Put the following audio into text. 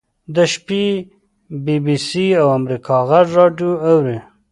د شپې بي بي سي او امریکا غږ راډیو اوري.